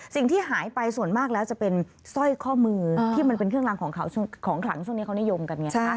สิ่งที่หายไปส่วนมากแล้วจะเป็นสร้อยข้อมือที่มันเป็นเครื่องรางของขลังช่วงนี้เขานิยมกันไงคะ